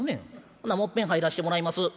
ほなもういっぺん入らしてもらいます」。